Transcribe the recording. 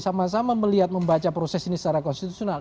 sama sama melihat membaca proses ini secara konstitusional